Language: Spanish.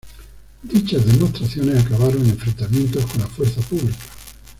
Dichas demostraciones acabaron en enfrentamientos con la fuerza pública.